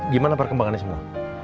gimana perkembangannya semua